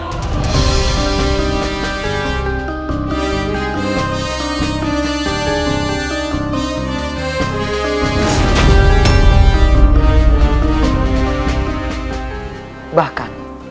ketika aku berada di rumahmu